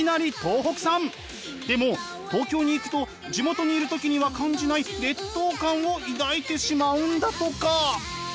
でも東京に行くと地元にいる時には感じない劣等感を抱いてしまうんだとか。